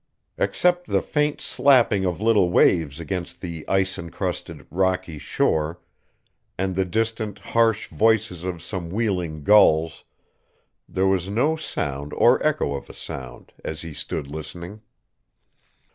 Except the faint slapping of little waves against the ice encrusted, rocky shore, and the distant, harsh voices of some wheeling gulls, there was no sound or echo of a sound, as he stood listening.